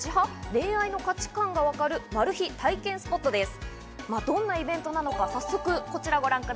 恋愛の価値観がわかるマル秘体験スポットです。